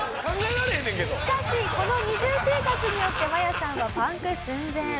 しかしこの二重生活によってマヤさんはパンク寸前。